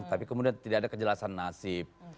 tapi kemudian tidak ada kejelasan nasib